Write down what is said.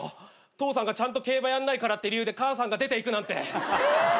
父さんがちゃんと競馬やんないからって理由で母さんが出ていくなんて。